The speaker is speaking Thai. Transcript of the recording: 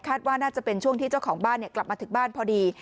ว่าน่าจะเป็นช่วงที่เจ้าของบ้านกลับมาถึงบ้านพอดี